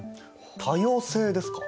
多様性ですか。